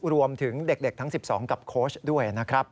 รวมถึงเด็กทั้ง๑๒กับโค้ชด้วยนะครับ